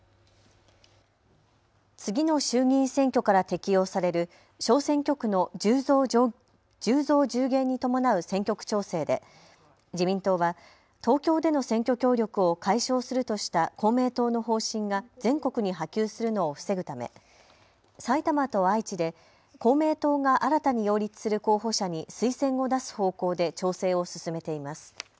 次の衆議院選挙から適用される小選挙区の１０増１０減に伴う選挙区調整で自民党は東京での選挙協力を解消するとした公明党の方針が全国に波及するのを防ぐため埼玉と愛知で公明党が新たに擁立する候補者に推薦を出す方向で調整を進めています。